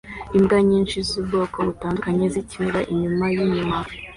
Imbwa nyinshi zubwoko butandukanye zikinira inyuma yinyuma